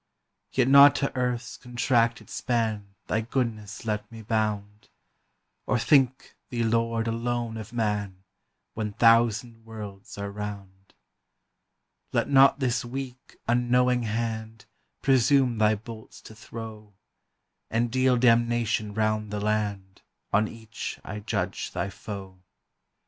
Yet not to earth's contracted span Thy goodness let me bound, Or think thee Lord alone of man, When thousand worlds are round: Let not this weak, unknowing hand Presume thy bolts to throw, And deal damnation round the land On each I judge thy foe.